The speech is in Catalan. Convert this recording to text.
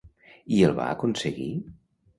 I el va aconseguir?